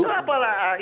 itu apa lah